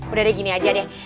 udah ada gini aja deh